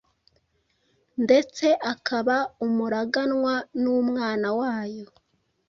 ndetse akaba umuraganwa n’Umwana wayo.